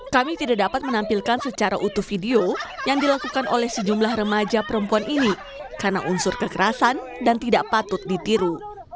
kami tidak dapat menampilkan secara utuh video yang dilakukan oleh sejumlah remaja perempuan ini karena unsur kekerasan dan tidak patut ditiru